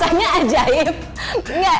kok rasanya ajaib